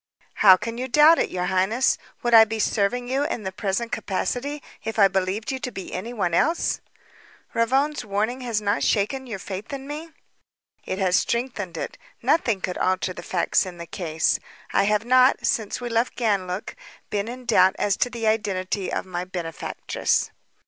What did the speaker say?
"How can you doubt it, your highness? Would I be serving you in the present capacity if I believed you to be anyone else?" "Ravone's warning has not shaken your faith in me?" "It has strengthened it. Nothing could alter the facts in the case. I have not, since we left Ganlook, been in doubt as to the identity of my benefactress."